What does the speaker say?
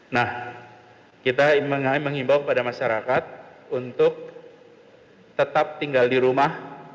nah kita mengimbau kepada masyarakat untuk tetap tinggal di rumah